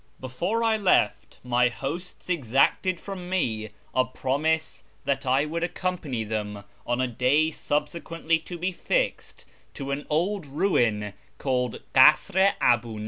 Before I left, my hosts exacted from me a promise that I would accompany them, on a day subsequently to be fixed, to an old rum called Kasr i Abu JVa.